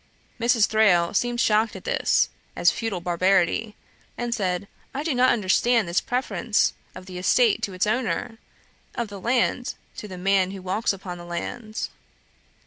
Mrs. Thrale seemed shocked at this, as feudal barbarity; and said, 'I do not understand this preference of the estate to its owner; of the land to the man who walks upon that land.'